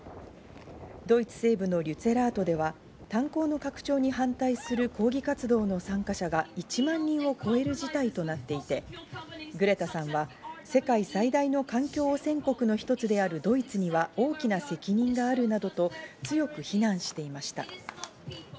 ドイツ西部のリュツェラートでは炭鉱の拡張に反対する抗議活動の参加者が１万人を超える事態となっていて、グレタさんは、世界最大の環境汚染国の一つである、ドイツには大きな責任があるなどと強く非難していました。